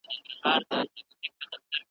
منتظر مي د هغه نسیم رویبار یم .